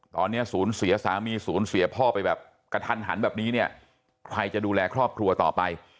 ตอนนี้สูญเสียสามีศูนย์เสียพ่อไปแบบกระทันหันแบบนี้เนี่ยใครจะดูแลครอบครัวต่อไป